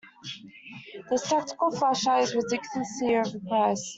This tactical flashlight is ridiculously overpriced.